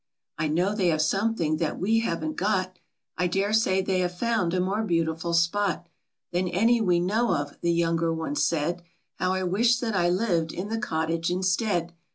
"I know they have something that we haven't got; I dare say they have found a more beautiful spot Than any we know of," the younger one said —" How I wish that I lived in the cottage instead